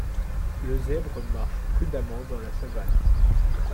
Le zèbre marche prudemment dans la savane.